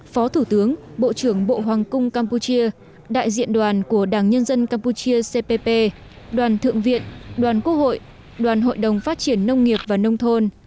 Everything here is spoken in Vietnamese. phó thủ tướng bộ trưởng bộ hoàng cung campuchia đại diện đoàn của đảng nhân dân campuchia cpp đoàn thượng viện đoàn quốc hội đoàn hội đồng phát triển nông nghiệp và nông thôn